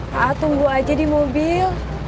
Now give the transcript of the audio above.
nah tunggu aja di mobil